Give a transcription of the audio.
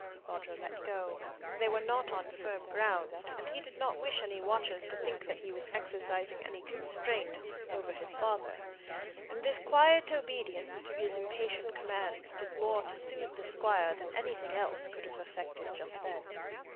Roger let go; they were now on firm ground, and he did not wish any watchers to think that he was exercising any constraint over his father; and this quiet obedience to his impatient commands did more to soothe the Squire than anything else could have effected just then.